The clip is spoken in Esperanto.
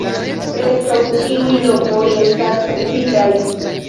Preskaŭ ĉiuj lokoj estas okupitaj.